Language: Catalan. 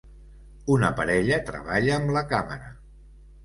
Una parella treballa amb la càmera.